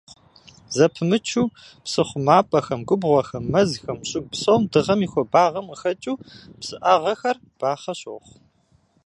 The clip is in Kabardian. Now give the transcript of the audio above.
Зэпымычу псы хъумапӀэхэм, губгъуэхэм, мэзхэм, щӀыгу псом дыгъэм и хуабагъэм къыхэкӀыу псыӀагъэр бахъэ щохъу.